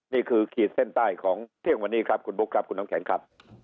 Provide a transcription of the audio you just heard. ขีดเส้นใต้ของเที่ยงวันนี้ครับคุณบุ๊คครับคุณน้ำแข็งครับ